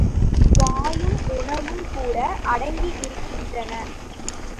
வாயும் உணவும்கூட அடங்கியிருக்கின்றன.